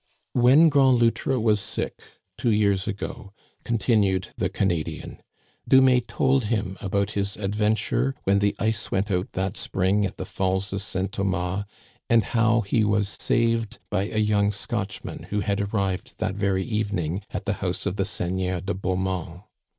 " When Grand Loutre was sick two years ago," con tinued the Canadian, " Dumais told him about his ad venture when the ice went out that spring at the Falls of St. Thomas, and how he was saved by a young Scotch man who had arrived that very evening at the house of the Seigneur de Beaumont."